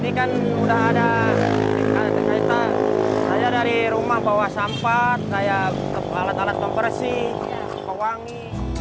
ini kan udah ada kita ada tingkatan saya dari rumah bawa sampah saya alat alat pembersih kewangi